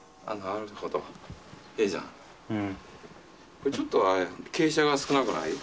これちょっと傾斜が少なくない？